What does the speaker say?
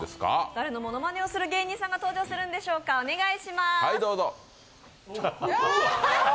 誰のものまねをする芸人さんが登場するんでしょうか、お願いします。